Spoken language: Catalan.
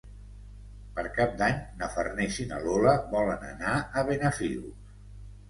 Per Cap d'Any na Farners i na Lola volen anar a Benafigos.